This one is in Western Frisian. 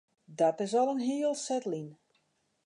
Dat is al in hiel set lyn.